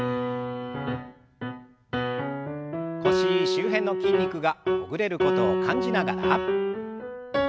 腰周辺の筋肉がほぐれることを感じながら。